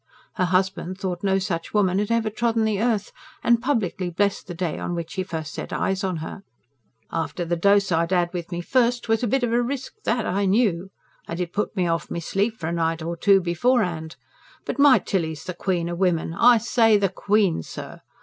Her husband thought no such woman had ever trodden the earth, and publicly blessed the day on which he first set eyes on her. "After the dose I'd 'ad with me first, 'twas a bit of a risk, that I knew. And it put me off me sleep for a night or two before'and. But my Tilly's the queen o' women I say the queen, sir!